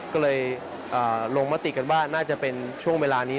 ก็เลยลงมติกันว่าน่าจะเป็นช่วงเวลานี้